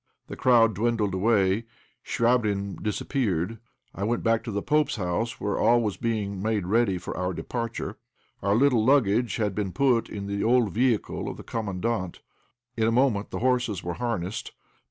The crowd dwindled away; Chvabrine disappeared. I went back to the pope's house, where all was being made ready for our departure. Our little luggage had been put in the old vehicle of the Commandant. In a moment the horses were harnessed.